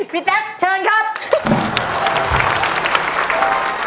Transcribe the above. พี่แซ็คเชิญครับ